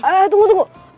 eh tunggu tunggu